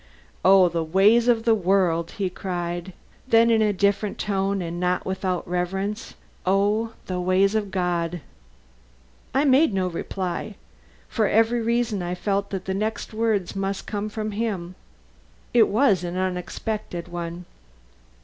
"Oh, the ways of the world!" he cried. Then in a different tone and not without reverence: "Oh, the ways of God!" I made no reply. For every reason I felt that the next word must come from him. It was an unexpected one.